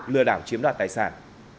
lừa đảo chiếm đoạt tài sản